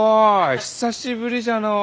久しぶりじゃのう！